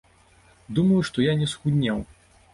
Думаю, што я не схуднеў.